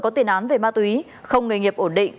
có tiền án về ma túy không nghề nghiệp ổn định